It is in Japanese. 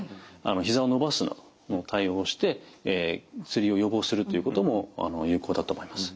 ひざを伸ばすなどの対応をしてつりを予防するということも有効だと思います。